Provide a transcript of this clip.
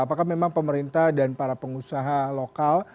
apakah memang pemerintah dan para pengusaha lokal